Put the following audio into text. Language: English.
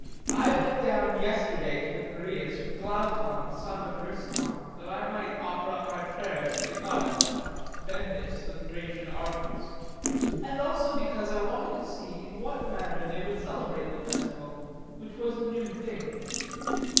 I went down yesterday to the Piraeus with Glaucon the son of Ariston, that I might offer up my prayers to the goddess (Bendis, the Thracian Artemis.); and also because I wanted to see in what manner they would celebrate the festival, which was a new thing.